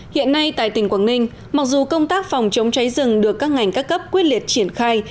hiện nay tại tỉnh quảng ninh mặc dù công tác phòng chống cháy rừng được các ngành các cấp quyết liệt triển khai